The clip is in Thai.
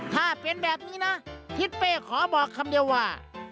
ถ้าเป็นแบบนี้นะทิศเป้ขอบอกคำเดียวว่า